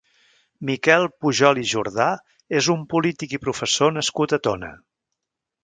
Miquel Pujol i Jordà és un polític i professor nascut a Tona.